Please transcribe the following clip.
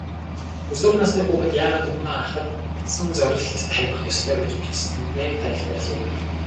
Өсвөр насны хүүхэд яагаад өмнөө ахадсан зорилт тавих ёстой гэж бичсэнээ тайлбарлая.